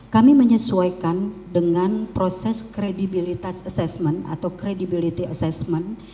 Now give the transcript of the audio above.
kami menyesuaikan dengan proses kredibilitas assessment atau credibility assessment